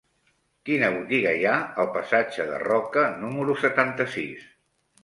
Quina botiga hi ha al passatge de Roca número setanta-sis?